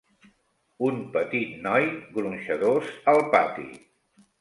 Un petit noi Gronxadors al pati.